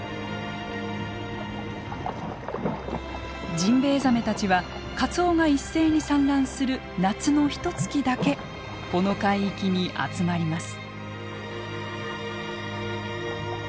ジンベエザメたちはカツオが一斉に産卵する夏のひとつきだけこの海域に集まります。